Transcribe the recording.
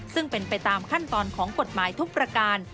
ซึ่งเป็นไปตามขั้นตอนของกฎหมายทุกประการ